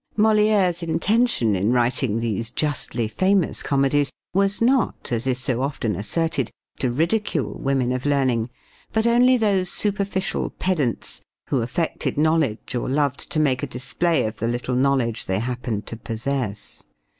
" Molière's intention in writing these justly famous comedies was not, as is so often asserted, to ridicule women of learning, but only those superficial pedants who affected knowledge or loved to make a display of the little knowledge they happened to possess.